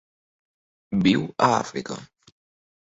Viu a Àfrica.